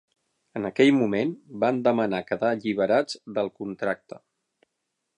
En aquell moment, van demanar quedar alliberats del contracte.